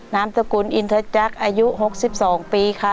น้ำตระกุลอินเทอร์จยักษ์อายุ๖๒ปีค่ะ